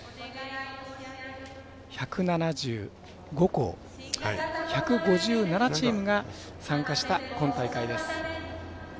１７５校１５７チームが参加した今大会です。